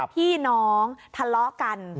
พี่น้องทะเลาะกัน